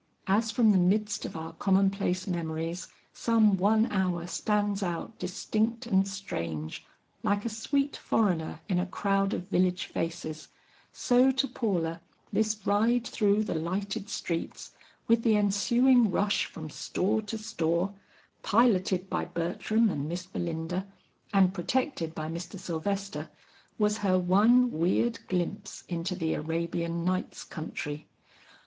As from the midst of our common place memories, some one hour stands out distinct and strange, like a sweet foreigner in a crowd of village faces, so to Paula, this ride through the lighted streets, with the ensuing rush from store to store, piloted by Bertram and Miss Belinda, and protected by Mr. Sylvester, was her one weird glimpse into the Arabian Nights' country.